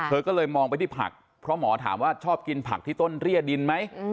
เธอก็เลยมองไปที่ผักเพราะหมอถามว่าชอบกินผักที่ต้นเรียดินไหม